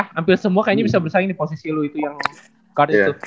hampir semua kayaknya bisa bersaing di posisi lu itu yang guardnya itu